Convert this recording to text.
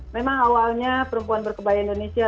memang awalnya perempuan berkebaya indonesia